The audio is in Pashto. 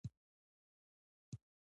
ازادي راډیو د سوداګري ستر اهميت تشریح کړی.